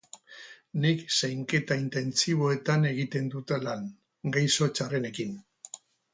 Nik Zainketa Intentsiboetan egiten dut lan, gaixo txarrenekin.